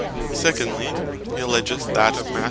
Secondly, he alledgeth that of Matth.